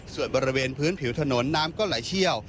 ส่วนบริเวณพื้นผิวถนนน้ำก็ไหลเชี่ยว